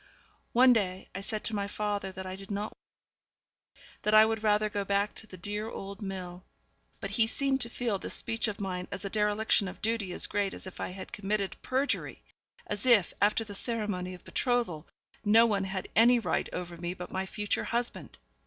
One day I said to my father that I did not want to be married, that I would rather go back to the dear old mill; but he seemed to feel this speech of mine as a dereliction of duty as great as if I had committed perjury; as if, after the ceremony of betrothal, no one had any right over me but my future husband.